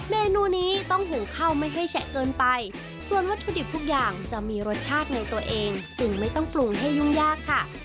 เมนูนี้ต้องหุงข้าวไม่ให้แฉะเกินไปส่วนวัตถุดิบทุกอย่างจะมีรสชาติในตัวเองจึงไม่ต้องปรุงให้ยุ่งยากค่ะ